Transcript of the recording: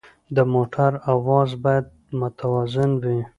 د موټر اواز باید متوازن وي.